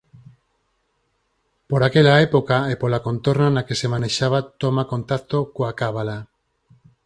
Por aquela época e pola contorna na que se manexaba toma contacto coa cábala.